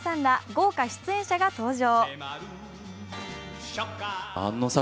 豪華出演者が登場。